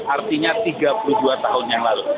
artinya tiga puluh dua tahun yang lalu